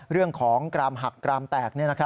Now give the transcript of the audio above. เรื่องของกรามหักกรามแตก